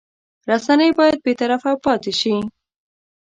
رسنۍ باید بېطرفه پاتې شي.